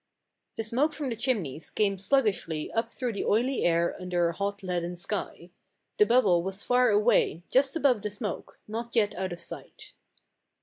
The smoke from the chimneys came sluggishly up through the oily air under a hot leaden sky. The bubble was far away, just above the smoke, not yet out of sight.